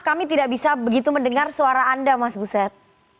kami tidak bisa begitu mendengar suara anda mas buset